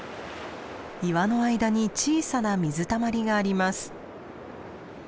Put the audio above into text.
岩の間に小さな水たまりがあります。